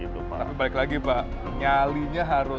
tapi balik lagi pak nyalinya harus